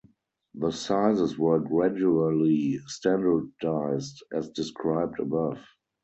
The sizes were gradually standardized as described above.